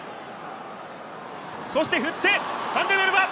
そして振って、ファンデルメルヴァ！